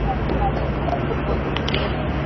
uliopita kwa lengo la kurejesha uhusiano wa kidiplomasia